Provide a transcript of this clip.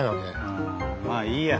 あまあいいや。